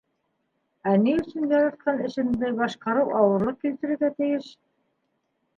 Ә ни өсөн яратҡан эшенде башҡарыу ауырлыҡ килтерергә тейеш?